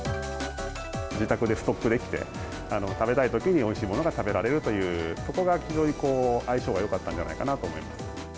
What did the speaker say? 自宅でストックできて、食べたいときにおいしいものが食べられるということが、非常に相性がよかったんじゃないかなと思います。